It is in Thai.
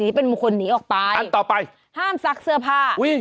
เป็นบุคคลหนีออกไปอันต่อไปห้ามซักเสื้อผ้าอุ้ย